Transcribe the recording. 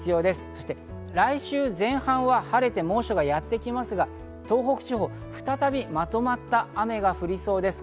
そして来週前半は晴れて、猛暑がやってきますが、東北地方、再びまとまった雨が降りそうです。